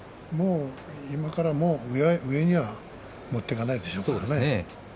今から上にはもっていかないでしょうから。